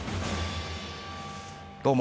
どうも。